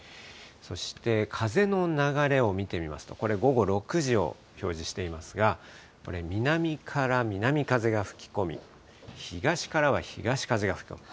そして風の流れを見てみますと、これ、午後６時を表示していますが、南から南風が吹き込み、東からは東風が吹き込む。